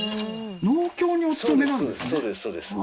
農協にお勤めなんですね